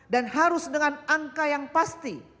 dan harus dengan angka yang pasti